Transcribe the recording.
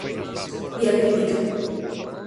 Diacrítica.